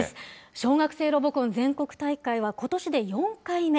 小学生ロボコン全国大会はことしで４回目。